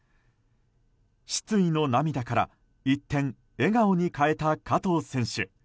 失意の涙から一転笑顔に変えた加藤選手。